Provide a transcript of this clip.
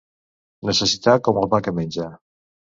Necessitar com el pa que menja.